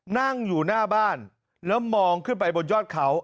นั่งอยู่หน้าบ้านแล้วมองขึ้นไปบนยอดเขา